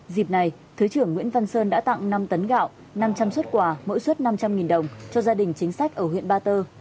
dịp này thứ trưởng nguyễn văn sơn đã tặng năm tấn gạo năm trăm linh xuất quà mỗi xuất năm trăm linh đồng cho gia đình chính sách ở huyện ba tơ